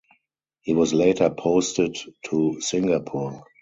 He was later posted to Singapore.